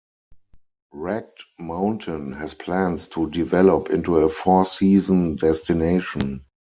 Ragged Mountain has plans to develop into a four season destination.